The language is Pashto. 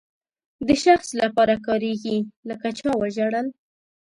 د شخص لپاره کاریږي لکه چا وژړل.